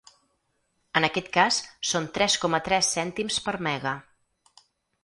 En aquest cas són tres coma tres cèntims per mega.